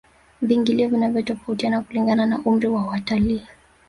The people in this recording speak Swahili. viingilio vinatofautia kulingana na umri wa watalii